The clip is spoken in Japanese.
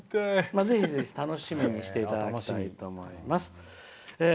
ぜひ楽しみにしていただきたいと思います。